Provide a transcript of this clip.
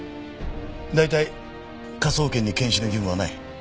大体科捜研に検視の義務はない。